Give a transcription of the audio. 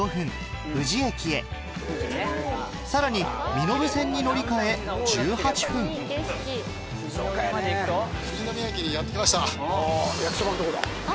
富士駅へさらに身延線に乗り換え１８分富士宮駅にやって来ました。